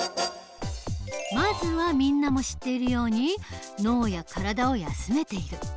まずはみんなも知っているように脳や体を休めている。